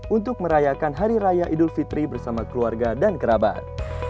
untuk merayakan hari raya idul fitri bersama keluarga dan kerabat